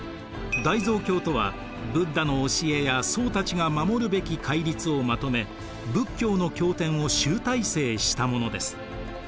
大蔵経とはブッダの教えや僧たちが守るべき戒律をまとめ仏教の経典を集大成したものです。